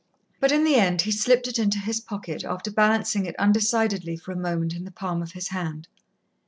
But in the end he slipped it into his pocket, after balancing it undecidedly for a moment in the palm of his hand.